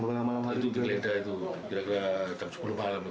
itu geledah itu kira kira jam sepuluh malam